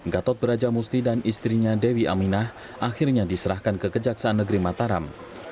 gatot brajamusti dan istrinya dewi aminah akhirnya diserahkan ke kejaksaan negeri mataram